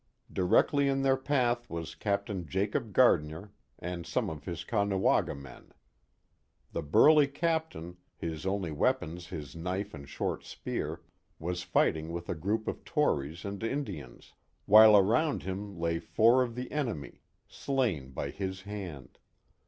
Directly in their path was Captain Jacob Gardinier and some of his Caughna waga men. The burly captain, his only weapons his knife and short spear, was fighting with a group of Tories and Indians, while around him lay four of the enemy slain by his M pi. Oriskany 429 hand.